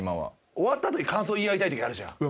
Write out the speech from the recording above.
終わったあとに感想言い合いたい時あるじゃん。